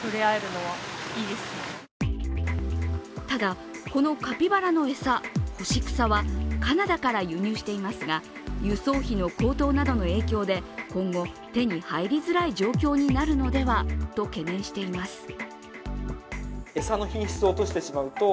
ただ、このカピバラの餌、干し草はカナダから輸入していますが輸送費の高騰などの影響で今後、手に入りづらい状況になるのではと懸念しています。